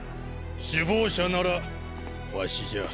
⁉首謀者ならワシじゃ。